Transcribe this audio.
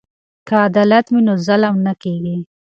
که عدالت وي نو ظلم نه کیږي.